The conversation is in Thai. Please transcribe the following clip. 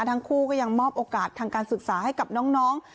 ทั้งคู่ก็ยังมอบโอกาสทางการศึกษาให้กับน้อง